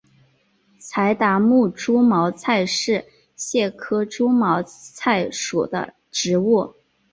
柴达木猪毛菜是苋科猪毛菜属的植物。